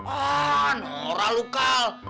ah nolah lo kal